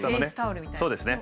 そうですね。